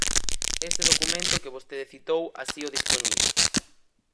Ese documento que vostede citou así o dispoñía.